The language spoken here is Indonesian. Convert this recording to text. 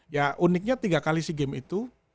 ya uniknya tiga kali sea games itu